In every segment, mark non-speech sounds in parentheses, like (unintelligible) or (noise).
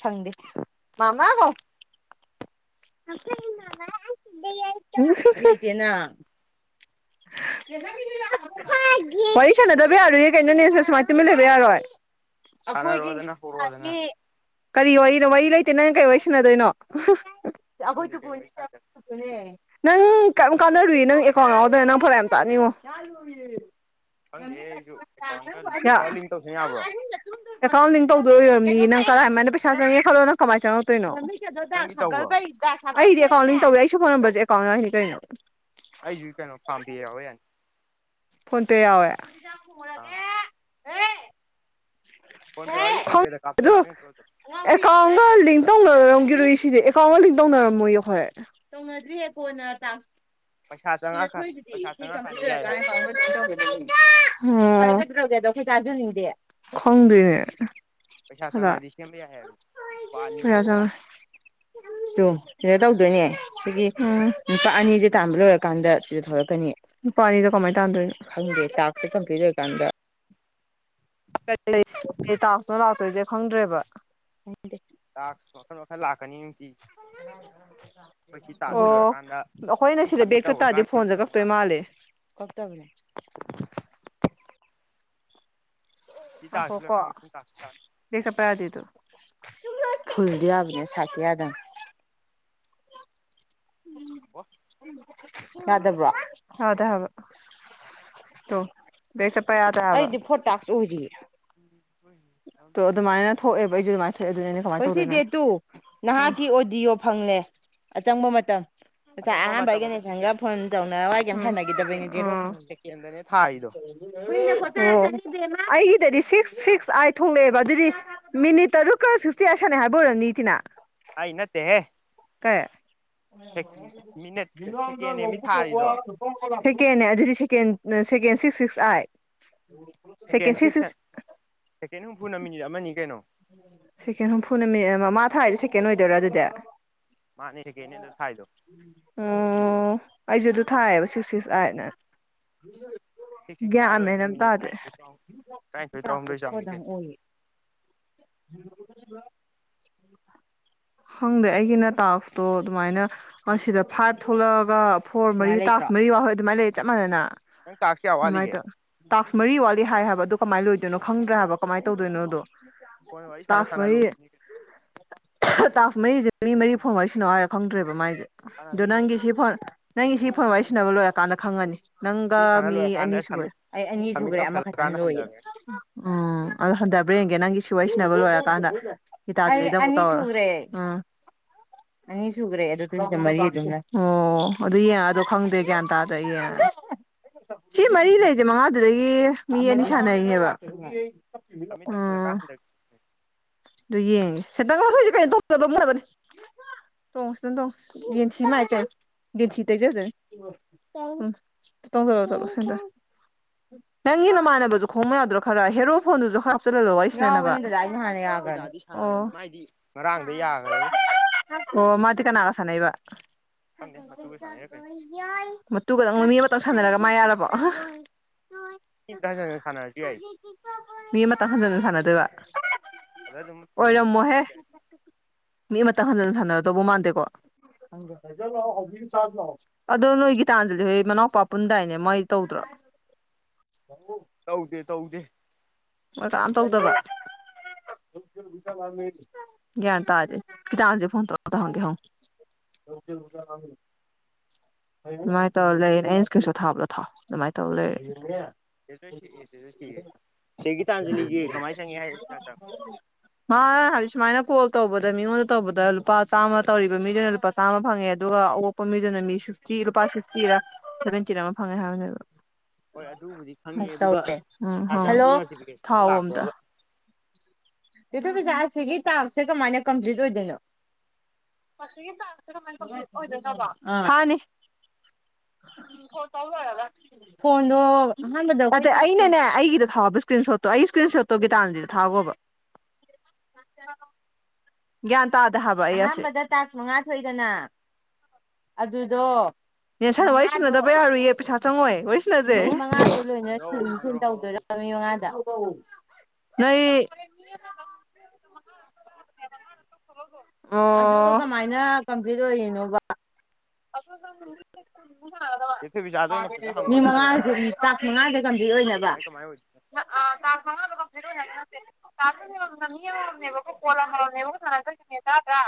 ꯁꯪꯗꯤ ꯃꯥꯃꯥ ꯀꯧ (unintelligible) ꯋꯥꯔꯤ ꯁꯥꯟꯅꯗꯕ ꯌꯥꯔꯣꯏꯌꯦ ꯀꯩꯅꯣꯅꯦ ꯁꯨꯃꯥꯏꯅ ꯇꯨꯝꯃꯤꯟꯅ ꯂꯩꯕ ꯌꯥꯔꯣꯏ ꯁꯅꯥꯔꯣꯗꯅ ꯀꯔꯤ ꯋꯥꯔꯤꯅꯣ ꯋꯥꯔꯤ ꯂꯩꯇꯦ ꯅꯪ ꯀꯔꯤ ꯋꯥꯔꯤ ꯁꯟꯅꯗꯣꯏꯅꯣ ꯫ ꯑꯈꯣꯏ ꯈꯪꯗꯦ ꯀꯩ ꯇꯕꯨꯅꯤ ꯋꯥꯔꯤ ꯁꯥꯟꯅꯁꯦ ꯅꯪ ꯀꯩꯝ ꯀꯥꯟꯅꯔꯣꯏ ꯅꯪ ꯑꯦꯀꯥꯎꯟ ꯌꯥꯎꯗꯅ ꯅꯪ ꯐꯔꯛ ꯌꯥꯝ ꯇꯥꯅꯤꯡꯉꯣ ꯫ (unintelligible) ꯈꯪꯗꯦꯍꯦ ꯑꯩꯁꯨ ꯑꯦꯀꯥꯎꯟꯒ ꯑꯦꯀꯥꯎꯟ ꯂꯤꯡ ꯇꯧꯁꯟ ꯌꯥꯕ꯭ꯔꯣ ꯑꯦꯀꯥꯎꯟ ꯂꯤꯡ ꯇꯧꯗꯣꯏ ꯑꯣꯏꯔꯝꯅꯤ ꯅꯪ ꯀꯔꯥ ꯃꯥꯏꯅ ꯄꯩꯁꯥ ꯆꯪꯉꯦ ꯈꯜꯂꯣ ꯅꯪ ꯀꯃꯥꯏꯅ ꯆꯪꯉꯛꯇꯣꯏꯅꯣ ꯅꯪꯒꯤ ꯇꯧꯕ꯭ꯔꯣ ꯑꯩꯗꯤ ꯑꯦꯥꯎꯟ ꯇꯧꯕꯤꯔ ꯑꯩ ꯁꯤ ꯐꯣꯟ ꯅꯝꯕꯁꯦ ꯑꯦꯀꯥꯎꯟ ꯍꯥꯏꯅꯤ ꯀꯔꯤꯅꯣ ꯑꯩꯁꯨ ꯀꯩꯅꯣ ꯄꯥꯝꯕꯤ ꯌꯥꯎꯋꯦ ꯌꯥꯅꯤ ꯐꯣꯟ ꯄꯦ ꯌꯥꯎꯋꯦ ꯑꯥ ꯐꯣꯟ ꯄꯦ ꯌꯥꯎꯗꯤ ꯐꯣꯟ ꯈꯪ ꯄꯦꯗ ꯑꯗꯨ ꯀꯥꯞꯆꯔꯛꯇꯣꯏ ꯗꯨꯝ ꯑꯦꯀꯥꯎꯟꯒ ꯂꯤꯡ ꯇꯧꯅꯔꯝꯒꯤꯔꯣꯏ ꯁꯤꯁꯦ ꯑꯦꯀꯥꯎꯟꯒ ꯂꯤꯡ ꯇꯧꯅꯔꯝꯃꯣꯏ ꯑꯈꯣꯏ ꯇꯧꯅꯗ꯭ꯔꯤꯍꯦ ꯀꯣꯟꯅ ꯇꯥꯛꯁ ꯄꯩꯁꯥ ꯁꯤꯗ ꯆꯪꯉꯛꯑꯀꯥꯟ ꯊꯣꯛꯏꯁꯤꯗꯤ ꯄꯩꯁꯥ ꯁꯤ ꯆꯪꯉꯛꯑꯀꯥꯟꯗ ꯌꯥꯏ ꯍꯥꯏꯕꯅꯤ ꯀꯝꯄꯂꯤꯠ ꯇꯧꯔ ꯑꯣ ꯆꯥꯖꯅꯤꯡꯗꯦ ꯈꯪꯗꯦ ꯄꯩꯁꯥ ꯆꯪꯉꯛꯑꯗꯤ ꯁꯦꯝꯕ ꯌꯥꯏ ꯍꯥꯏꯕꯅꯤ ꯂꯨꯄꯥ ꯑꯅꯤ (unintelligible) ꯇꯨ ꯁꯤꯗ ꯇꯧꯗꯣꯏꯅꯦ ꯁꯤꯒꯤ ꯎꯝ ꯅꯨꯄꯥ ꯑꯅꯤꯁꯦ ꯇꯥꯟꯕ ꯂꯣꯏꯔꯀꯥꯟꯗ ꯁꯤꯗ ꯊꯣꯛꯂꯛꯀꯅꯤ ꯅꯨꯄꯥ ꯑꯅꯤꯗꯣ ꯀꯃꯥꯏꯅ ꯇꯥꯟ ꯇꯥꯟꯗꯣꯏꯅꯣ ꯈꯪꯗꯦ ꯇꯥꯛꯁꯁꯦ ꯀꯝꯄ꯭ꯂꯤꯠ ꯑꯣꯏꯔꯀꯥꯟꯗ (unintelligible) ꯇꯥꯛꯁꯅꯣ ꯂꯛꯇꯣꯏꯁꯦ ꯈꯪꯗ꯭ꯔꯦꯕ ꯇꯥꯛꯁ ꯃꯈꯜ ꯃꯈꯜ ꯂꯥꯛꯀꯅꯤ ꯅꯨꯡꯇꯤꯒꯤ ꯑꯣ ꯁꯤ ꯑꯩꯈꯣꯏꯅ ꯁꯤꯗ ꯁꯕꯃꯤꯠ ꯕꯦꯒ ꯇꯧꯈ꯭ꯔꯀꯥꯟꯗ ꯆꯠꯇꯥꯥꯔꯗꯤ ꯐꯣꯟꯁꯦ ꯃꯊꯪ ꯑꯃꯨꯛ ꯀꯛꯇꯣꯏ ꯂꯥꯛꯀꯅꯤ ꯃꯥꯜꯂꯦ ꯫ ꯀꯛꯇꯕꯅꯦ ꯁꯤ ꯉꯥꯏꯈꯣ ꯇꯥꯛꯁꯁꯤ ꯀꯣ ꯂꯣꯏꯔꯀꯥꯟꯗ ꯃꯊꯪ ꯇꯥꯛꯁ ꯂꯥꯛꯀꯅꯤ ꯕꯦꯛ ꯆꯠꯄ ꯌꯥꯗꯦꯗꯣ ꯐꯨꯗꯤ ꯌꯥꯕꯅꯦ ꯁꯥꯠꯇꯤ ꯌꯥꯕꯅꯦ ꯋꯥ ꯌꯥꯗꯕꯔꯣ ꯌꯥꯗꯦ ꯍꯥꯏꯕ ꯇꯣ ꯕꯦꯛ ꯆꯠꯄ ꯍꯥꯗꯦ ꯍꯥꯏꯕ ꯑꯣꯏꯅꯦ ꯇꯣ ꯑꯗꯨꯃꯥꯏꯅ ꯊꯣꯛꯑꯦꯕ ꯑꯩꯁꯨ ꯑꯗꯨꯃꯥꯏꯅ ꯊꯣꯛꯑꯦ ꯑꯗꯨꯅ ꯀꯃꯥꯏꯅ ꯍꯣꯏ ꯁꯤ ꯗꯦ ꯇꯨ ꯅꯍꯥꯛꯀꯤ ꯑꯣꯗꯤꯌꯣ ꯐꯪꯂꯦ ꯑꯆꯪꯕ ꯃꯇꯝ ꯉꯁꯥꯏ ꯑꯆꯪꯕ ꯑꯍꯥꯟꯕ ꯃꯇꯝ ꯑꯩꯒ ꯑꯗꯨ ꯅꯦꯜꯁꯟꯒ ꯁꯦꯀꯦꯟ ꯐꯣꯟ ꯇꯧꯅꯔ ꯋꯥꯔꯤ ꯀꯔꯤꯝ ꯁꯦꯀꯦꯟ ꯁꯅꯥꯈꯤꯗꯕꯅꯦ ꯖꯦꯔꯣ ꯁꯦꯀꯦꯟꯗꯅꯦ ꯊꯥꯔꯤꯗꯣ ꯂꯩꯗꯣ ꯫ ꯑꯩꯗꯗꯤ ꯁꯤꯛꯁ ꯁꯤꯛꯁ ꯑꯦꯏꯠ ꯊꯣꯛꯂꯛꯑꯦꯕ ꯑꯗꯨꯗꯤ ꯃꯤꯅꯤꯠ ꯇꯔꯨꯛꯀ ꯁꯤꯛꯁꯇꯤ ꯑꯥꯏꯠ ꯁꯅꯩ ꯍꯥꯏꯕ ꯑꯣꯏꯔꯝꯅꯤ ꯁꯤꯅ ꯑꯩ ꯅꯠꯇꯦꯍꯦ ꯫ ꯀꯧ ꯃꯤꯅꯠ ꯁꯦꯀꯦꯟ ꯑꯃꯤ ꯊꯥꯔꯤꯗꯣ (unintelligible) ꯁꯦꯀꯦꯟꯅꯦ ꯑꯗꯨꯗꯤ second second six six eight second six six second ꯍꯨꯝꯐꯨꯅ ꯃꯤꯅꯤꯠ ꯑꯃꯅꯤ ꯀꯩꯅꯣ ꯁꯦꯀꯦꯟ ꯍꯨꯝꯐꯨꯅ ꯃꯤꯃꯤꯠ ꯑꯃꯥ ꯃꯥ ꯊꯥꯏꯗꯣ ꯁꯦꯀꯦꯟ ꯑꯣꯏꯗꯣꯏꯔꯥ ꯑꯗꯨꯗꯤ ꯃꯥꯅꯤ ꯁꯦꯀꯦꯟꯅꯦ ꯑꯗ ꯊꯥꯏꯗꯣ ꯑꯣ ꯑꯩꯁꯨ ꯑꯗꯨ ꯊꯥꯏꯌꯦꯕ ꯁꯤꯛꯁ ꯁꯤꯛꯁ ꯑꯥꯏꯠꯅ ꯁꯤꯛꯁ ꯁꯤꯛꯁ ꯇꯥꯏꯔ ꯒ꯭ꯌꯥꯟ ꯃꯦꯟ ꯑꯣꯏꯔꯗꯤ ꯑꯝ ꯃꯤꯅꯤꯠ ꯇꯥꯗꯦ ꯇꯔꯥꯅꯤꯊꯣꯏ ꯇꯔꯥꯅꯤꯊꯣꯏ ꯇꯔꯥꯍꯨꯝꯗꯣꯏ ꯆꯥꯡꯅꯤ ꯀꯩꯅꯣ (inaudible) ꯈꯪꯗꯦ ꯑꯩꯒꯤꯅ ꯇꯥꯛꯁꯇꯣ ꯑꯗꯨꯃꯥꯏꯅ ꯁꯤꯗ ꯐꯥꯏꯚ ꯊꯣꯛꯂꯛꯑꯒ ꯐꯣꯔ ꯃꯔꯤ ꯇꯥꯁ ꯃꯔꯤ ꯋꯥꯎꯍꯣꯏ ꯑꯗꯨꯃꯥꯏꯅ ꯂꯩꯔ ꯆꯞ ꯃꯥꯟꯅꯅ ꯅꯪ ꯇꯥꯛꯁ ꯀꯌꯥ ꯋꯥꯠꯂꯤꯒꯦ ꯅꯨꯡꯃꯥꯏꯇ ꯇꯥꯛꯁ ꯃꯔꯤ ꯋꯥꯠꯂꯤ ꯍꯥꯏ ꯍꯥꯏꯕ ꯑꯗꯨ ꯀꯃꯥꯏꯅ ꯂꯣꯏꯗꯣꯏꯅꯣ ꯈꯪꯗ꯭ꯔꯦ ꯍꯥꯏꯕ ꯀꯃꯥꯏꯅ ꯇꯧꯗꯣꯏꯅꯣꯗꯨ ꯐꯣꯟ ꯋꯥꯔꯤ ꯁꯥꯟꯅ ꯇꯥꯁ ꯁꯥꯟꯅ ꯃꯔꯤ ꯂꯣꯏꯗꯣꯏꯅꯤ ꯇꯥꯛꯁ ꯃꯔꯤꯁꯦ ꯃꯤ ꯃꯔꯤ ꯐꯣꯡꯋꯥꯔꯤ ꯁꯥꯟꯅꯧ ꯍꯥꯏꯔ ꯈꯪꯗ꯭ꯔꯦꯕ ꯃꯥꯏꯁꯦ ꯑꯗꯣ ꯁꯥꯟꯅꯗꯣꯏꯅꯦ ꯅꯪꯒꯤ ꯁꯤ ꯐꯣꯟ ꯅꯪꯒꯤ ꯁꯤ ꯐꯣꯔ ꯋꯥꯔꯤ ꯁꯤꯟꯅꯅꯕ ꯂꯣꯏꯔꯀꯥꯟꯗ ꯈꯪꯉꯅꯤ ꯅꯪꯒ ꯁꯤ ꯁꯥꯟꯅ ꯃꯤ ꯂꯣꯏꯔꯀꯥꯟꯗ ꯑꯅꯤ ꯁꯨꯕ ꯁꯝꯃꯤꯠ ꯑꯩ ꯑꯅꯤ ꯁꯝꯃꯤꯠ ꯁꯨꯒ꯭ꯔꯦ ꯑꯃꯈꯛꯇꯪ ꯇꯧꯁꯜꯂꯀꯥꯟꯗ ꯂꯣꯏꯌꯦ ꯍꯟꯊꯈ꯭ꯔꯦ ꯎꯝ ꯑꯗꯣ ꯍꯟꯊꯕ꯭ꯔ ꯍꯡꯒꯦ ꯅꯪꯒꯤ ꯁꯤ ꯋꯥꯔꯤ ꯁꯤꯟꯅꯕ ꯂꯣꯏꯔꯀꯥꯟꯗ ꯑꯩ ꯑꯅꯤ ꯁꯨꯒ꯭ꯔꯦ ꯑꯥ ꯑꯅꯤ ꯁꯨꯈ꯭ꯔꯦ ꯑꯗꯨ ꯑꯗꯨꯗ ꯃꯔꯤ ꯑꯗꯨꯝ ꯂꯩ ꯑꯣ ꯑꯗꯨ ꯌꯦꯡꯉꯛ ꯑꯗꯣ ꯈꯪꯗ꯭ꯔꯦ ꯒ꯭ꯌꯥꯟ ꯇꯥꯗ꯭ꯔ ꯑꯩ ꯌꯦꯡꯉ ꯁꯤ ꯃꯔꯤ ꯂꯩꯁꯦ ꯃꯉꯥꯗꯨꯗꯒꯤ ꯃꯤ ꯑꯅꯤ ꯁꯥꯟꯅꯔꯤꯅꯦꯕ ꯑꯃꯤꯠ ꯇꯧꯀꯤꯂꯛ ꯀꯥꯟ ꯎꯝ ꯍꯟꯗꯔꯛ ꯑꯗꯨ ꯌꯦꯡꯉꯦ ꯁꯦꯟꯗꯟ ꯂꯧꯊꯣꯛ ꯏꯁꯦ ꯀꯩꯅꯣ (unintelligible) ꯃꯣꯠꯅꯕꯅꯤ ꯇꯣꯡꯁꯤꯅꯣꯡ ꯌꯦꯟꯊꯤ ꯃꯥꯏꯀꯩ ꯌꯦꯟꯊꯥ ꯇꯩꯖ ꯖꯅꯤ ꯑꯝ ꯇꯣꯡꯖꯤꯜꯂꯣ ꯆꯠꯂꯣ ꯁꯦꯟꯗꯟ ꯅꯪꯒꯤ ꯅꯃꯥꯟꯅꯕꯁꯨ ꯈꯣꯡꯕ ꯌꯥꯗ꯭ꯔꯣ ꯈꯔ ꯍꯦꯔꯣ ꯐꯣꯟꯗꯨꯁꯨ ꯍꯥꯞꯆꯤꯟ ꯍꯜꯂꯣ ꯋꯥꯔꯤ ꯁꯥꯟꯅꯕ ꯌꯥꯎꯕꯅꯦ ꯅꯍꯥꯟꯅ ꯌꯥꯒ꯭ꯔꯥꯕꯅꯤ ꯗꯥꯗꯤ ꯁꯥꯟꯅꯕꯅꯤ ꯑꯣ ꯃꯥꯏꯗꯤ ꯉꯔꯥꯡꯗ ꯌꯥꯈ꯭ꯔꯦꯕ ꯑꯣ ꯃꯥꯗꯤ ꯀꯅꯥꯒ ꯁꯥꯟꯅꯩꯕ ꯈꯪꯗꯦ ꯃꯇꯨꯒ ꯁꯥꯟꯅꯩꯔ ꯀꯩꯅꯣ ꯃꯇꯨꯒꯗꯪ ꯃꯤ ꯑꯃꯇꯪ ꯁꯥꯟꯅꯔꯒ ꯃꯥ ꯌꯥꯔꯕꯣ ꯃꯤ ꯑꯝꯇ ꯍꯟꯖꯟ ꯍꯟꯖꯟ ꯁꯥꯟꯅꯔꯁꯨ ꯌꯥꯏ ꯃꯤ ꯑꯃꯇꯪ ꯍꯟꯖꯤꯟꯅ ꯁꯥꯟꯅꯗꯣꯏꯕ ꯑꯗ ꯑꯗꯨꯝ ꯍꯟꯖꯟ ꯍꯟꯖꯟ ꯑꯣꯏꯔꯝꯃꯣꯍꯦ ꯁꯥꯟꯅꯔꯁꯨ ꯌꯥꯏ ꯃꯤ ꯑꯃꯇꯪ ꯍꯟꯖꯟ ꯁꯥꯟꯅꯔꯗꯧꯕ ꯃꯥꯟꯗꯦꯀꯣ ꯑꯗꯣ ꯅꯣꯏ ꯒꯤꯇꯥꯟꯖꯂꯥ ꯍꯣꯏ ꯃꯅꯥꯎꯄꯥ ꯄꯨꯟꯗꯥꯏꯅꯦ ꯃꯣꯏ ꯇꯧꯗ꯭ꯔꯣ ꯍ ꯇꯧꯗꯦ ꯇꯧꯗꯦ ꯃꯣꯏ ꯀꯅꯥꯝ ꯃꯣꯏꯗꯤ ꯇꯧꯗꯕ꯭ꯔꯥ ꯒ꯭ꯌꯥꯟ ꯇꯥꯗꯦ ꯒꯤꯇꯥꯟꯖꯂꯤ ꯐꯣꯟ ꯇꯔ ꯑꯝꯇ ꯍꯪꯒꯦ ꯍꯪꯎ (unintelligible) ꯑꯗꯨꯃꯥꯏꯅ ꯇꯧꯔ ꯂꯩꯔꯦꯅꯦ ꯑꯩꯅ ꯏꯀ꯭ꯔꯤꯟ ꯁꯣꯠ ꯊꯥꯕꯂꯣ ꯊꯥꯎ ꯑꯗꯨꯃꯥꯏꯅ ꯇꯧꯔ ꯂꯩꯔꯦ ꯆꯦ ꯖꯣꯏꯁꯔꯤ ꯑꯦ ꯆꯦ ꯖꯣꯏꯁ꯭ꯔꯤꯌꯦ ꯆꯦ ꯒꯤꯇꯥꯟꯖꯂꯤꯒꯤ ꯀꯃꯥꯏꯅ ꯆꯪꯉꯛꯑꯦ ꯍꯥꯏꯅꯣ ꯃꯥ ꯍꯥꯏꯗꯤ ꯁꯨꯃꯥꯏꯅ ꯀꯣꯜ ꯇꯧꯕꯗ ꯃꯤꯉꯣꯟꯗ ꯇꯧꯕꯗ ꯂꯨꯄꯥ ꯆꯥꯝꯃ ꯇꯧꯔꯤꯕ ꯃꯤꯗꯨꯅ ꯂꯨꯄꯥ ꯆꯥꯝꯃ ꯐꯪꯉꯦ ꯑꯗꯨꯒ ꯑꯑꯣꯛꯄ ꯃꯤꯗꯨꯅ ꯃꯤ ꯁꯤꯛꯁꯇꯤ ꯂꯨꯄꯥ ꯁꯤꯛꯁꯇꯤꯔꯥ ꯁꯦꯕꯦꯟꯇꯤꯔ ꯑꯃ ꯐꯪꯉꯦ ꯍꯥꯏꯕꯅꯦꯕ ꯍꯣꯏ ꯑꯗꯨꯕꯨꯗꯤ ꯈꯪꯉꯤ ꯑꯗꯨꯒ ꯎꯝ ꯄꯩꯁꯥ ꯍꯜꯂꯣ ꯆꯪꯉꯛꯄꯒꯤ ꯅꯣꯇꯤꯐꯤꯀꯦꯁꯟꯒ ꯊꯥꯎ ꯂꯥꯛꯄ꯭ꯔꯥꯕ ꯆꯦ ꯊꯣꯏꯕꯤꯆꯥ ꯑꯁꯤꯒꯤ ꯇꯥꯛꯁꯦ ꯀꯃꯥꯏꯅ ꯀꯝꯄ꯭ꯂꯤꯠ ꯑꯣꯏꯗꯣꯏꯅꯣ ꯑꯁꯤꯒꯤ ꯇꯥꯛꯁꯤ ꯀꯃꯥꯏꯅ ꯀꯝꯄ꯭ꯂꯤꯠ ꯑꯣꯏꯗꯣꯏꯅꯣꯕ ꯍꯥꯅꯤ ꯀꯣꯜ ꯇꯧ ꯂꯣꯏꯔꯒ ꯐꯣꯟꯗꯣ ꯑꯍꯥꯟꯕꯗ ꯑꯩꯅꯅꯦ ꯑꯩꯒꯤꯗ ꯊꯥꯎꯕ ꯏꯁꯀ꯭ꯔꯤꯟ ꯁꯣꯠꯇꯣ ꯑꯩ ꯏꯁꯀ꯭ꯔꯤꯟ ꯁꯣꯠꯇꯣ ꯒꯤꯇꯥꯟꯖꯂꯤꯗ ꯊꯥꯈꯣꯕ (inaudible) ꯒ꯭ꯌꯥꯟ ꯇꯥꯗꯦ ꯍꯥꯏꯕ ꯑꯩ ꯑꯁꯦ ꯑꯍꯥꯟꯕꯗ ꯇꯥꯛꯁ ꯃꯉꯥ ꯊꯣꯛꯏꯗꯅ ꯑꯗꯨꯗꯣ ꯅꯦꯟꯁꯟꯅ ꯋꯥꯔꯤ ꯁꯥꯟꯅꯗꯕ ꯌꯥꯔꯣꯏꯌꯦ ꯄꯩꯁꯥ ꯆꯪꯉꯣꯏ ꯃꯤ ꯃꯉꯥꯗꯣ ꯂꯣꯏꯅ ꯁꯤꯟ ꯁꯥꯟꯅꯔꯧ ꯁꯤꯟ ꯁꯥꯟꯅꯔꯧ ꯇꯧꯗꯣꯏꯔꯣ ꯍꯧꯔꯛꯎ ꯃꯤ ꯃꯉꯥꯗꯣ ꯅꯣꯏ ꯑꯣ ꯋꯥꯔꯤ ꯑꯗꯨꯒ ꯍꯧꯖꯤꯛꯇꯣ ꯀꯃꯥꯏꯅ ꯀꯝꯄ꯭ꯂꯤꯠ ꯑꯣꯏꯔꯤꯅꯣꯕ ꯆꯦ ꯊꯣꯏꯕꯤꯆꯥꯗ ꯑꯣꯏꯅ ꯐꯖꯅ ꯍꯪꯉꯣ ꯃꯤ ꯑꯗꯨꯏ ꯁꯔꯨꯛ ꯃꯉꯥꯁꯦ ꯇꯥꯛꯁ ꯃꯉꯥꯁꯦ ꯀꯝꯄ꯭ꯂꯤꯠ ꯑꯣꯏꯅꯕ ꯀꯃꯥꯏ ꯀꯃꯥꯏ ꯑꯣꯏꯗꯣꯏꯅꯣ ꯑꯥ ꯇꯥꯛꯁ ꯃꯉꯥꯗꯣ ꯀꯝꯄ꯭ꯂꯤꯠ ꯑꯣꯏꯅꯕ ꯅꯠꯇꯦ ꯇꯥꯛꯁ ꯑꯃꯝ ꯃꯝꯗ ꯃꯤ ꯑꯃꯝ ꯃꯝꯅꯦꯕꯀꯣ ꯀꯣꯜ ꯑꯃꯝ ꯃꯝꯅꯦꯕꯀꯣ ꯁꯥꯟꯅꯗꯣꯏꯁꯦ ꯃꯤꯅꯤꯠ ꯇꯔꯥ ꯇꯔꯥ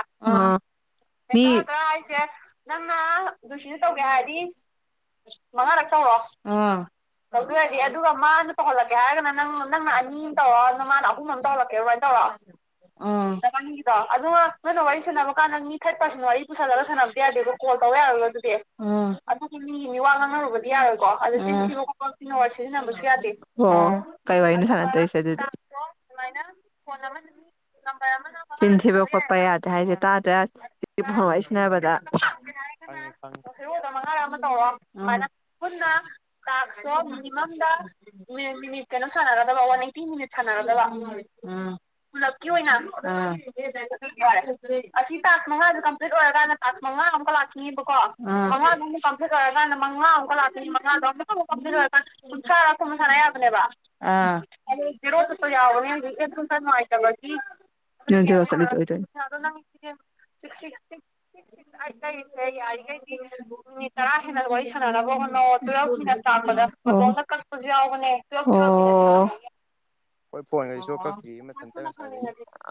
ꯃꯤ ꯃꯤꯅꯤꯠ ꯇꯔꯥ ꯇꯔꯥ ꯍꯥꯏꯁꯦ ꯅꯪꯅ ꯂꯨꯁꯤꯗ ꯇꯧꯒꯦ ꯍꯥꯏꯔꯗꯤ ꯃꯥꯉꯥꯔꯛ ꯇꯧꯔꯣ ꯑ ꯇꯧꯗꯣꯏ ꯑꯣꯏꯗꯤ ꯑꯗꯨꯒ ꯃꯥꯅ ꯇꯧꯍꯜꯂꯛꯀꯦ ꯍꯥꯏꯔꯒꯅ ꯅꯪ ꯅꯪꯅ ꯑꯅꯤ ꯇꯧꯔꯣ ꯃꯥꯅ ꯑꯍꯨꯝ ꯑꯃ ꯇꯧꯍꯜꯂꯛꯀꯦꯕ ꯇꯧꯔꯣ ꯎꯝ ꯅꯕꯥꯅꯤꯒꯤꯗꯣ ꯑꯗꯨꯒ ꯅꯣꯏꯅ ꯋꯥꯔꯤ ꯁꯥꯟꯅꯕ ꯀꯥꯟꯗ ꯃꯤ ꯊꯔꯗ ꯄꯥꯔꯁꯟ ꯋꯥꯔꯤ ꯄꯨꯁꯜꯂꯒ ꯁꯥꯟꯅꯕ ꯌꯥꯗꯦꯀꯣ ꯀꯣꯜ ꯇꯧ ꯌꯥꯔꯔꯣꯏꯀꯣ ꯑꯗꯨꯗꯤ ꯑꯗꯨꯒꯤ ꯃꯤꯒꯤ ꯃꯤꯋꯥ ꯉꯥꯡꯅꯔꯨꯕꯗꯤ ꯌꯥꯔꯣꯏꯀꯣ ꯑꯗꯨ ꯆꯤꯟ ꯊꯤꯕ ꯈꯣꯠꯄ ꯑꯣ ꯀꯩ ꯋꯥꯔꯤꯅꯣ ꯁꯥꯟꯅꯗꯣꯏꯁꯦ ꯑꯗꯨꯗꯤ ꯐꯣꯟ ꯑꯃ ꯆꯤꯟ ꯊꯤꯕ ꯈꯣꯠꯄ ꯌꯥꯗꯦ ꯍꯥꯏꯁꯦ ꯇꯥꯗ꯭ꯔꯥ ꯐꯣꯟ ꯋꯥꯔꯤ ꯁꯥꯟꯅꯕꯗ ꯈꯪꯉꯤ ꯈꯪꯉꯤ (unintelligible) ꯍꯦꯔꯣꯗ ꯃꯉꯥꯔꯛ ꯑꯃ ꯇꯧꯔꯣ ꯗꯨꯃꯥꯏꯅ ꯄꯨꯟꯅ ꯇꯥꯛꯁꯇꯣ ꯃꯤꯅꯤꯃꯝꯗ ꯃꯤꯅꯤꯠ ꯀꯩꯅꯣ ꯁꯥꯟꯅꯒꯗꯕ ꯋꯥꯟ ꯑꯩꯠꯇꯤ ꯃꯤꯅꯤꯠ ꯁꯥꯟꯅꯒꯗꯕ ꯑ ꯄꯨꯂꯞꯀꯤ ꯑꯣꯏꯅ ꯑ ꯑꯁꯤ ꯇꯥꯛꯁ ꯃꯉꯥꯁꯦ ꯀꯝꯄ꯭ꯂꯤꯠ ꯑꯣꯏꯔꯀꯥꯟꯗ ꯇꯥꯛꯁ ꯃꯉꯥ ꯑꯃꯨꯛꯀ ꯂꯥꯛꯈꯤꯅꯤꯕꯀꯣ ꯃꯉꯥꯗꯨ ꯃꯨꯛ ꯄꯥꯡꯊꯣꯛ ꯂꯣꯏꯔꯀꯥꯟꯗ ꯃꯉꯥ ꯑꯃꯨꯛꯀ ꯂꯥꯛꯈꯤꯅꯤ ꯃꯉꯥꯗꯣ ꯑꯗꯨ ꯂꯣꯏꯔ ꯀꯥꯟꯗ ꯀꯨꯟꯊ꯭ꯔꯥꯔꯛ ꯀꯨꯝꯕ ꯁꯥꯟꯅ ꯌꯥꯕꯅꯦꯕ ꯑ ꯑꯗꯣ ꯖꯦꯔꯣ ꯆꯠꯄ ꯌꯥꯎꯕꯅꯦ ꯍꯧꯖꯤꯛ ꯑꯦꯞꯇꯣ ꯈꯔ ꯅꯨꯡꯉꯥꯏꯇꯕꯒꯤ ꯖꯦꯔꯣ ꯆꯠꯂꯤꯗꯣ ꯑꯣꯏꯗꯣꯏꯅꯦ (unintelligible) ꯃꯤꯅꯠ ꯇꯔꯥ ꯍꯦꯟꯅ ꯋꯥꯔꯤ ꯁꯥꯟꯅꯅꯕ ꯍꯣꯠꯅꯧꯋꯣ ꯇꯋ꯭ꯦꯜꯕ ꯃꯤꯅꯠꯁ ꯂꯥꯛꯄꯗ ꯃꯇꯣꯝꯗ ꯀꯛ ꯌꯥꯎꯕꯅꯦ ꯇꯋ꯭ꯦꯜꯕ ꯇ꯭ꯋꯦꯜꯕ ꯃꯤꯅꯠꯁ ꯌꯥꯎ ꯑꯣ ꯍꯣꯏ ꯐꯣꯟꯗꯗꯤ ꯁꯨꯀꯛ ꯀꯛꯇꯤꯌꯦ ꯃꯇꯝꯁꯦ ꯉꯁꯥꯏꯗꯒꯤ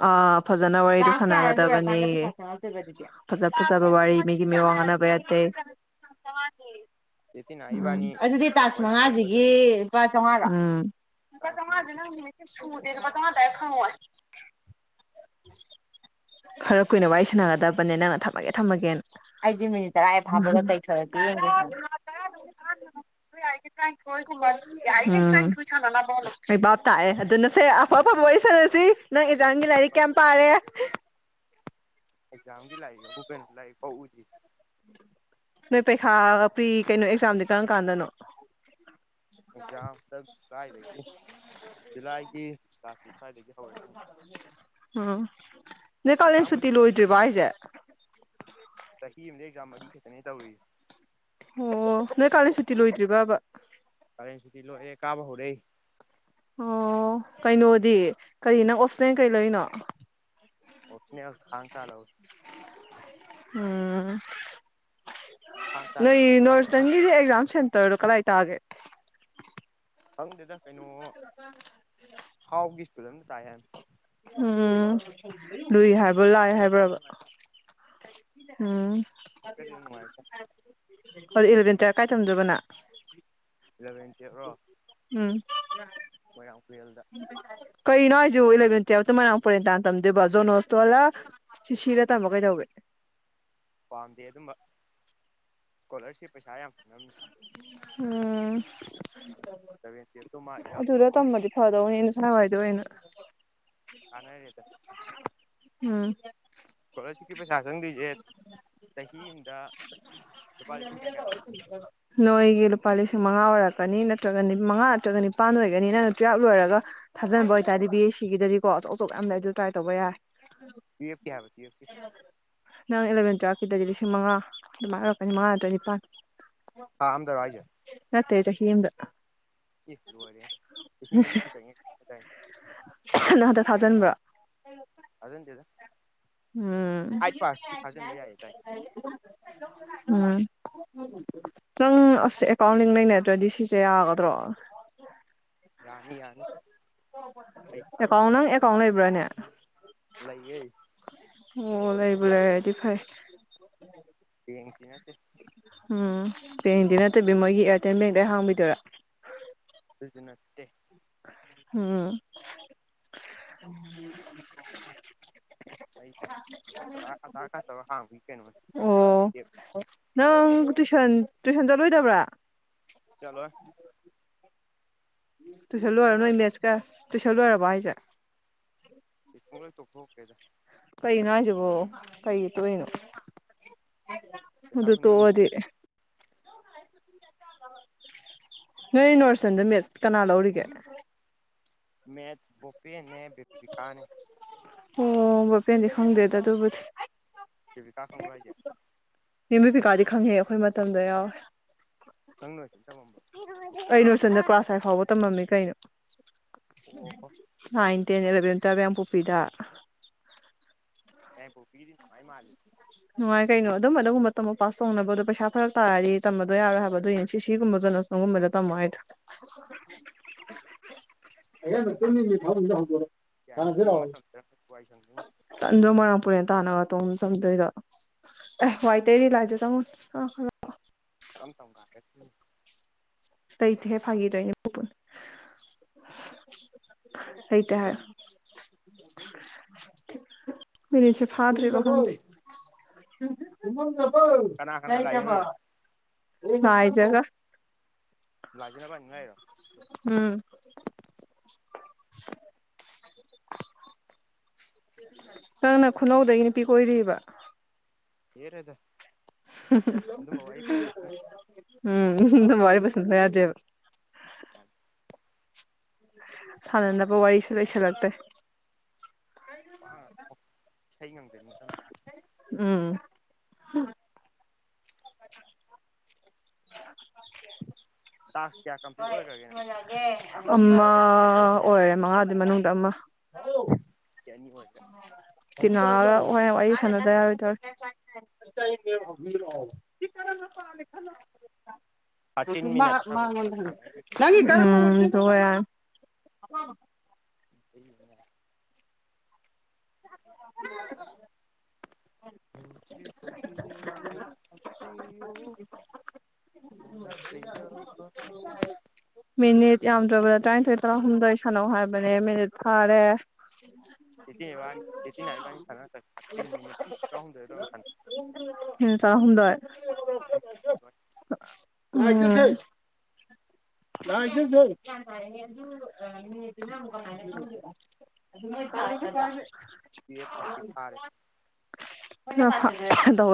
ꯑ ꯐꯖꯅ ꯋꯥꯔꯤꯗꯨ ꯁꯥꯟꯅꯒꯗꯕꯅꯤꯌꯦ ꯐꯖ ꯐꯖꯕ ꯋꯥꯔꯤ ꯃꯤꯒꯤ ꯃꯤꯋꯥ ꯉꯥꯡꯅꯕ ꯌꯥꯗꯦ ꯆꯦꯇꯤꯅꯥ ꯎꯝ ꯏꯕꯥꯅꯤ ꯑꯗꯨꯗꯤ ꯇꯥꯛꯁ ꯋꯥꯔꯤ ꯁꯥꯟꯅꯗ ꯃꯉꯥꯁꯤꯒꯤ ꯆꯠꯇꯦ ꯂꯨꯄꯥ ꯆꯥꯝꯃꯉꯥꯔꯣ ꯂꯨꯄꯥ ꯆꯥꯝꯃꯉꯥꯁꯦ (unintelligible) ꯅꯪꯒꯤꯁꯦ ꯁꯨꯗꯦ ꯂꯨꯄꯥ ꯆꯥꯝꯃꯉꯥ ꯗꯥꯏꯔꯦꯛ ꯐꯪꯉꯣꯏ ꯈꯔ ꯀꯨꯏꯅ ꯋꯥꯔꯤ ꯁꯥꯟꯅꯒꯗꯕꯅꯦ ꯅꯪꯅ ꯊꯝꯃꯒꯦ ꯊꯝꯃꯒꯦꯅ ꯑꯩꯗ ꯃꯤꯅꯠ ꯇꯔꯥ ꯍꯦꯛ ꯐꯥꯕꯒ ꯀꯩ ꯊꯣꯔꯛꯀꯦ ꯌꯦꯡꯒꯦꯅꯥ ꯇꯥꯔꯥ ꯇꯥꯔꯥꯗꯨꯃꯗꯤ ꯐꯥꯍꯟꯒꯅꯣ ꯇꯔꯥꯅꯤꯊꯣꯏ ꯒꯨꯝꯕ ꯑꯝ ꯑꯩ ꯚꯥꯞ ꯇꯥꯔꯦ ꯑꯗꯨꯅ ꯁꯦ ꯑꯐ ꯑꯐꯕ ꯋꯥꯔꯤ ꯁꯥꯟꯅꯁꯤ ꯅꯪ ꯑꯦꯛꯖꯥꯝꯒꯤ ꯂꯥꯏꯔꯤꯛ ꯀꯌꯥꯝ ꯄꯥꯔꯦ ꯑꯦꯛꯖꯥꯝꯒꯤ ꯂꯥꯏꯕꯤꯛꯑꯕꯨ ꯀꯩꯅꯣ ꯂꯥꯏꯔꯤꯛ ꯐꯧ ꯎꯗ꯭ꯔꯤ ꯅꯣꯏ ꯄꯔꯤꯈꯥ ꯄ꯭ꯔꯤ ꯀꯩꯅꯣ ꯑꯦꯛꯖꯥꯝꯗꯤ ꯀꯔꯝ ꯀꯥꯟꯗꯅꯣ ꯑꯦꯛꯖꯥꯝ ꯍꯟꯗꯛ ꯀꯗꯥꯥꯏꯗꯒꯤ ꯖꯨꯂꯥꯏꯒꯤ ꯇꯥꯡ ꯅꯤꯄꯥꯟꯗꯒꯤ ꯍꯧꯔꯅꯤ ꯎꯝ ꯅꯣꯏ ꯀꯥꯂꯦꯟ ꯑꯦꯛꯖꯥꯝꯒꯗꯤ ꯁꯨꯇꯤ ꯂꯣꯏꯗ꯭ꯔꯤꯕ‌ꯣ ꯃꯩꯅꯦ ꯑꯩꯈꯣꯏ ꯑꯩꯖ‌ꯦ ꯆꯍꯤ ꯑꯃꯗ ꯑꯦꯖꯥꯝ ꯃꯔꯤ ꯈꯤꯛꯇꯅꯦ ꯇꯧꯔꯤ ꯑꯣ ꯅꯣꯏ ꯀꯥꯂꯦꯟ ꯁꯨꯇꯤ ꯂꯣꯏꯗ꯭ꯔꯤꯕꯕ ꯀꯔꯦꯟꯁꯨꯇꯤ ꯂꯣꯏꯔ‌ꯦ ꯀꯥꯕ ꯍꯧꯔꯦ ꯑꯣ ꯀꯩꯅꯣꯗꯤ ꯀꯔꯤ ꯅꯪ ꯑꯣꯞꯁꯅ‌ꯦꯜ ꯀꯩ ꯂꯩꯔꯤꯅꯣ ꯑꯣꯠꯅꯦꯁ ꯊꯥꯡ ꯇꯥ ꯂꯧꯏ ꯎꯝ ꯊꯥꯡ ꯇꯥꯅꯤ ꯅꯣꯏ ꯏꯂꯥꯏ ꯂꯥꯏꯌꯦ ꯊꯥꯡ ꯇꯥ ꯂꯧ ꯅꯣꯁꯇꯪꯟꯒꯤꯖ‌ꯦ ꯑꯦꯖꯝꯁ‌ꯦꯟ ꯇ꯭ꯔ ꯀꯂꯔꯥꯏꯇꯒ‌ꯦ ꯈꯪꯗꯗ ꯀꯩꯅꯣ ꯍꯥꯎꯒꯤ ꯁ꯭ꯀꯨꯜ ꯑꯝꯗ ꯇꯥꯏ ꯍꯥꯏ ꯎꯝꯝ ꯂꯨꯏ ꯍꯥꯏꯕ꯭ꯔꯣ ꯂꯥꯏ ꯂꯥꯏꯕꯛꯇꯤ ꯑꯗꯨꯝ ꯍꯥꯏꯕ꯭ꯔꯕ‌ꯣ ꯅꯨꯡꯉꯥꯏꯀꯣ ꯎꯝ ꯂꯥꯏꯕꯛꯇꯤ ꯑꯗꯨꯝ ꯅꯨꯡꯉꯥꯏꯀꯣ ꯑꯗꯨꯗꯤ ꯏꯂꯚꯦꯟ ꯇꯨꯌ‌ꯦꯞ ꯀꯥꯏ ꯇꯝꯗꯨꯏꯕꯅꯪ ꯏꯂꯚꯦꯟ ꯇꯨꯌꯦꯞꯔꯣ ꯃꯣꯏꯔꯥꯡ ꯄꯨꯨꯔꯦꯜꯗ ꯀꯩꯅꯣ ꯍꯥꯏꯖꯤꯕ‌ꯣ ꯏꯂꯚꯦꯟ ꯇꯨꯋꯦꯜꯇ ꯃ‌ꯣꯏꯔꯥꯡ ꯄꯨꯔꯦꯟ ꯇꯥꯥꯟ ꯇꯝꯗꯣꯏꯕ ꯖꯅꯣꯁꯇꯣꯂ ꯁꯤ ꯁꯤꯔ ꯇꯝꯕ ꯀꯩꯗꯧꯋꯤ ꯄꯥꯝꯗꯦ ꯑꯗꯨꯝꯕ ꯏꯁꯀꯣꯂꯔꯁꯤꯞ ꯄꯩꯁꯥ ꯌꯥꯝ ꯐꯪꯅꯕꯅꯤ ꯎꯝ (unintelligible) ꯐꯗꯩꯅꯤ ꯅꯁꯥ ꯅꯨꯡꯉꯥꯏꯗꯨꯏ ꯑ‌ꯣꯏꯅ ꯀꯥꯟꯅꯔ‌ꯦꯗ ꯎꯝ ꯏꯁꯀꯣꯂꯔꯁꯤꯞꯀꯤ ꯄꯩꯁꯥ ꯆꯪꯗ꯭ꯣꯏꯖ‌ꯦ ꯆꯍꯤ ꯑꯃꯝꯗ (unintelligible) ꯅꯣꯏꯒꯤ ꯂꯨꯄꯥ ꯂꯤꯁꯤꯡ ꯃꯉꯥ ꯑꯣꯏꯔꯛꯀꯅꯤ ꯅꯠꯇ꯭ꯔꯒ ꯅꯤ ꯃꯉꯥ ꯅꯠꯇ꯭ꯔꯒ ꯅꯤꯄꯥꯟ ꯑꯣꯏꯒꯅꯤ ꯅꯪꯅ ꯇꯨꯌꯦꯦꯞ ꯂꯣꯏꯔꯒ ꯊꯥꯖꯟꯕ ꯑꯣꯏꯇꯥꯔꯗꯤ ꯕꯤ ꯑꯦ ꯁꯤꯒꯤꯗꯗꯤꯀꯣ ꯑꯆꯧ ꯑꯆꯧ ꯌꯥꯝ ꯂꯩ ꯑꯗꯨ ꯇ꯭ꯔꯥꯏ ꯇꯧꯕ ꯌꯥꯏ ꯇꯨꯌ‌ꯦꯞꯀꯤ ꯍꯥꯏꯕ ꯇꯨꯌ‌ꯦꯞꯀꯤ ꯅꯪ ꯑꯦꯂꯚꯦꯟ ꯇꯨꯌꯦꯜꯞꯀꯤꯗꯗꯤ ꯂꯤꯁꯤꯡ ꯃꯉꯥ ꯑꯗꯨꯃꯥꯏꯅ ꯑ‌ꯣꯏꯔꯛꯀꯅꯤ ꯃꯉꯥ ꯅꯠꯇꯔꯒ ꯅꯤꯄꯥꯜ ꯊꯥ ꯑꯝꯗꯔꯣ ꯍꯥꯏꯖ‌ꯦ ꯅꯠꯇ‌ꯦ ꯆꯍꯤ ꯑꯝꯗ ꯑ‌ꯦ ꯂ‌ꯣꯏꯔ‌ꯦꯍ‌ꯦ ꯂꯤꯁꯤꯡ ꯃꯔꯤ‌ ꯄꯨꯁꯟꯒ‌ꯦ ꯍ ꯅꯪ ꯍꯟꯗꯛ ꯊꯥꯖꯟꯕ꯭ꯔꯥ ꯊꯥꯖꯟꯗ‌ꯦꯗ ꯎꯝ ꯊꯥꯖꯟꯕ ꯌꯥꯏꯌꯦꯗꯥꯏꯅꯦ ꯎꯝ ꯅꯪ ꯑꯁ ꯑꯦꯀꯥꯎꯟꯂꯤꯡ ꯂꯩꯅꯗ꯭ꯔꯗꯤ ꯁꯤꯁꯦ ꯌꯥꯒꯗ꯭ꯔꯣ ꯌꯥꯅꯤ ꯌꯥꯅꯤ ꯑꯩ ꯊꯥ ꯑꯦꯀꯥꯎꯟ ꯅꯪ ꯑꯦꯀꯥꯎꯟ ꯂꯩꯕ꯭ꯔꯥꯅꯦ ꯂꯩꯥꯏꯌꯦ ꯑꯣ ꯂꯩꯕꯨ ꯂꯩꯔ ꯗꯤ ꯐꯥꯏ ꯕ‌ꯦꯀ ꯗꯤ ꯅꯠꯇꯦ ꯎꯝ ꯕꯦꯟꯗꯤ ꯅꯠꯇꯕꯤ ꯃꯣꯏꯒꯤ ꯑꯦꯌꯥꯔꯇꯦꯜ ꯕꯦꯡꯗ ꯍꯥꯡꯕꯤꯗꯣꯏꯔꯥ ꯑꯗꯨꯖꯨ ꯅꯠꯇꯦ ꯎꯝ ꯑꯩꯗꯤ ꯑꯙ ꯑꯙꯥꯔ ꯀꯥꯔꯗ ꯇꯧꯔꯒ ꯍꯥꯡꯕꯤ ꯀꯩꯅꯣꯅꯦ ꯑꯣ ꯅꯪ ꯇꯨꯏꯁꯟ ꯇꯨꯏꯁꯟ ꯆꯠꯂꯣꯏꯗꯕ꯭ꯔꯥ ꯆꯠꯂꯣꯢ ꯇꯨꯏꯁꯟ ꯂꯣꯏꯔ ꯇꯨꯏꯁꯟꯒ ꯅꯣꯏ ꯂꯣꯏ ꯃꯦꯠꯁꯀ ꯇꯨꯏꯁꯟ ꯂꯣꯏꯔꯕꯣ ꯍꯥꯏꯁꯦ ꯇꯨꯏꯎꯒ ꯂꯣꯏ ꯇꯣꯛꯊꯣꯛꯈ꯭ꯔꯦꯗ ꯀꯩꯅꯣ ꯍꯥꯏꯁꯤꯕꯣ ꯀꯩꯒꯤ ꯇꯣꯛꯏꯅꯣ ꯄꯩꯁꯥ ꯑꯗꯨ ꯍꯨꯟ ꯉꯝꯗ꯭ꯔꯦ ꯇꯣꯛꯑꯗꯤ ꯅꯣꯏ ꯅꯣꯔꯁꯟꯗ ꯃꯦꯁ ꯀꯅꯥꯟ ꯂꯧꯔꯤꯒꯦ ꯃꯦꯁꯠ ꯕꯣꯄꯦꯟꯅꯦ ꯕꯦꯕꯤꯀꯥꯅꯦ ꯑꯣ ꯕꯣꯄꯦꯟꯗꯤ ꯈꯪꯗꯦꯗ ꯑꯗꯨꯕꯨꯗꯤ ꯕꯦꯕꯤꯀꯥ ꯈꯪꯕ꯭ꯔꯣ ꯍꯥꯏꯁꯦ ꯃꯦꯝ ꯕꯦꯕꯤꯀꯥꯗꯤ ꯈꯪꯢꯍꯦ ꯑꯩꯈꯣꯏ ꯃꯇꯝꯗ ꯌꯥꯎꯔꯦ ꯅꯪ ꯅꯣꯏꯁꯟ ꯇꯝꯃꯝꯕꯣ ꯑꯩ ꯅꯣꯏꯁꯟꯗ ꯀ꯭ꯂꯥꯁ ꯑꯩꯠ ꯐꯥꯎꯕ ꯇꯝꯃꯝꯃꯤ ꯀꯩꯅꯣ ꯑꯣ ꯅꯥꯏꯟ ꯇꯦꯟ ꯑꯦꯂꯕꯦꯟ ꯇꯨꯌꯦꯞ ꯌꯥꯏꯒꯪꯄꯣꯛꯄꯤꯗ ꯌꯥꯏꯉꯪꯄꯣꯛꯄꯤꯗꯤ ꯅꯨꯡꯉꯥꯢ ꯃꯥꯜꯂꯤ ꯅꯨꯡꯉꯥꯏ ꯀꯩꯅꯣ ꯑꯗꯨꯝ ꯑꯗꯨꯒꯨꯝꯕ ꯇꯝꯃꯣ ꯄꯥꯁ ꯇꯧꯅꯕ ꯄꯩꯁꯥ ꯐꯔꯛ ꯇꯥꯔꯗꯤ ꯇꯝꯕꯗꯣ ꯌꯥꯔꯣꯏ ꯍꯥꯏꯕ ꯑꯗꯨꯢꯅꯦ ꯄꯤ ꯁꯤ ꯒꯨꯝꯕ ꯆꯠꯂ ꯑꯗꯨꯝꯕꯗ ꯇꯦꯝꯃꯣ ꯍꯥꯢꯗꯣ ꯑꯩꯌꯥꯡꯗꯨ ꯇꯨꯝꯃꯤꯅꯤ ꯐꯥꯃꯨꯡꯗ ꯍꯧꯗꯣꯛꯑꯣ ꯇꯥꯕ꯭ꯔꯣ, ꯌꯥꯏꯔꯤꯄꯣꯛꯄꯤꯒꯨꯝꯕ ꯇꯝꯖꯔꯝꯃꯗꯤ ꯋꯥꯏ ꯁꯪꯗꯨ ꯇꯟꯗ꯭ꯔꯣ ꯃꯣꯏꯔꯥꯡꯄꯨꯔꯦꯜ ꯇꯥꯟꯅꯒ ꯇꯣꯡꯑꯒ ꯆꯠꯗꯣꯢꯗꯣ ꯑꯦ ꯋꯥꯏꯇꯩꯔꯤ ꯂꯥꯏꯖꯥ ꯆꯪꯉꯣ ꯑꯥ ꯑꯥ ꯇꯝ ꯇꯝ ꯒꯥꯥꯔꯛꯈꯤꯅꯤ ꯂꯩꯏꯇꯦ ꯍꯦ ꯐꯥꯒꯤ ꯇꯧꯅꯦ ꯄꯨꯄꯅ ꯂꯩꯇꯦ ꯍꯥꯏꯌꯨ ꯃꯤꯅꯤꯠꯁꯤ ꯐꯥꯗ꯭ꯔꯤꯔꯥ ꯈꯪꯗꯦ (unintelligible) ꯀꯅꯥ ꯀꯅꯥ ꯂꯥꯛꯏꯅꯣ ꯂꯩꯇꯕꯣ ꯅꯪ ꯂꯥꯏꯖꯥꯒ ꯂꯥꯏꯖꯥ ꯅꯕꯥꯟꯅꯤ ꯉꯥꯛꯏꯔꯣ ꯎꯝ (inaudible) (inaudible) ꯅꯪꯅ ꯈꯨꯅꯧꯗꯒꯤ ꯅꯨꯄꯤ ꯀꯣꯏꯔꯤꯕ ꯌꯥꯔꯦꯗ ꯎꯝ (unintelligible) ꯁꯨꯡꯌꯥ ꯌꯥꯗꯦꯕ (unintelligible) ꯁꯥꯟꯅꯅꯕ ꯋꯥꯔꯤꯁꯨ ꯂꯩꯁꯤꯜꯂꯛꯇ꯭ꯔꯦ ꯄꯪꯉꯥꯡ ꯉꯥꯡꯉꯛꯑꯣ ꯏꯁꯩ ꯉꯪꯖꯤꯟꯒꯗꯝꯅꯤ ꯎꯝ (unintelligible) ꯇꯥꯛꯁ ꯀꯌꯥ ꯀꯝꯄ꯭ꯂꯤꯠ ꯍꯣꯏ ꯑꯣꯏꯈ꯭ꯔꯒꯦ ꯅꯪ ꯃꯥꯅ ꯑꯃ ꯑꯣꯏꯔꯦ ꯃꯉꯥꯗꯨ ꯃꯅꯨꯡꯗ ꯑꯃ ꯑꯅꯤ ꯑꯣꯏꯈ꯭ꯔꯦ ꯀꯩꯅꯣꯒ ꯍꯣꯔꯦꯟ ꯋꯥꯔꯤ ꯁꯥꯟꯅꯖ ꯔꯣꯏꯗꯧꯔꯦ (unintelligible) ꯁꯤ ꯀꯔꯝꯕ ꯄꯥꯝꯃꯦ ꯈꯜꯂꯣ ꯑꯗꯨ ꯊꯥꯔꯇꯤꯟ ꯃꯥ ꯃꯤꯅꯠ ꯁ꯭ꯋꯥꯏꯐꯥꯎ ꯃꯥꯑꯣꯟꯗ ꯁꯥꯟꯅꯔꯤ ꯍꯪꯉꯨ ꯅꯪꯒꯤ ꯗꯪ (unintelligible) ꯑꯄꯥꯝꯕ ꯑꯩꯒꯤꯅꯦ (unintelligible) ꯅꯨꯡꯁꯤ ꯕꯟꯗꯤ ꯑꯣꯏꯅ ꯊꯝꯕꯤꯌꯨ ꯃꯔꯥꯜ ꯂꯩꯔꯕ (unintelligible) ꯃꯤꯅꯤꯠ ꯌꯥꯝꯗ꯭ꯔꯕꯗ ꯇꯔ꯭ꯥꯏꯟꯊꯣꯏ ꯇꯔꯥ ꯍꯨꯝꯗꯣꯏ ꯁꯥꯟꯅꯧ ꯍꯥꯏꯕꯅꯦ ꯃꯤꯅꯤꯠ ꯐꯥꯔꯦ (unintelligible) ꯅꯍꯥꯟ ꯏꯕꯥꯅꯤ ꯁꯥꯟꯅ (unintelligible) ꯊꯥꯔꯇꯤꯟ ꯃꯤꯅꯠ ꯇꯔꯥꯍꯨꯝꯗꯣꯏꫪ (unintelligible) ꯃꯤꯅꯤꯠ ꯇꫪꯥꯍꯨꯝꯗꯣꯏ ꯎꯝ (unintelligible) (unintelligible) ꯇꯨꯋꯦꯞ ꯐꯥꯎꯇꯤ ꯐꯥꯔꯦ (unintelligible) ꯇꯧꯋꯦ